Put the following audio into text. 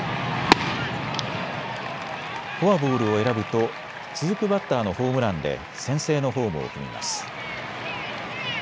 フォアボールを選ぶと続くバッターのホームランで先制のホームを踏みます。